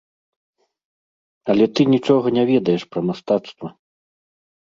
Але ты нічога не ведаеш пра мастацтва.